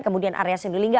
kemudian arya sindulingga